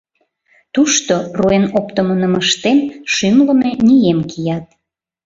Тушто руэн оптымо нымыштем, шӱмлымӧ нием кият...